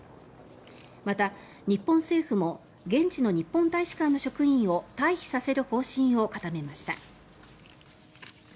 また、日本政府も現地の日本大使館の職員を退避させる方針を固めました。